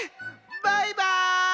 バイバーイ！